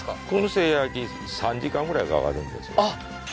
燻製焼き３時間ぐらいかかるんです